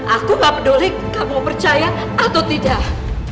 aku gak peduli kamu percaya atau tidak